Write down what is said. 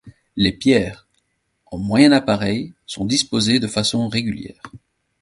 Les pierres, en moyen appareil, sont disposées de façon régulière.